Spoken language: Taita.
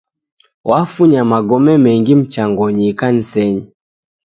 Wafunya magome mengi mchangonyi ikanisenyi